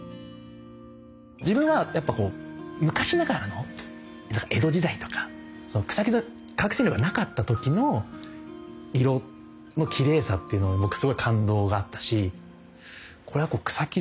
自分はやっぱこう昔ながらの江戸時代とかその草木染め化学染料がなかった時の色のきれいさっていうのを僕すごい感動があったし草木